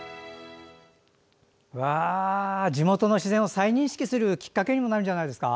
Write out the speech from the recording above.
地元の自然を再認識きっかけにもなるんじゃないですか。